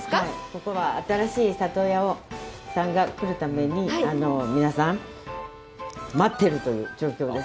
ここは新しい里親さんが来るために皆さん、待っているという状況です